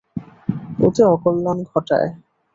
ওতে অকল্যাণ ঘটায়।